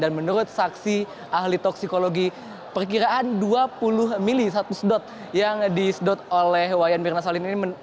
dan menurut saksi ahli toksikologi perkiraan dua puluh mili satu sedot yang disedot oleh wayan mirna salihin ini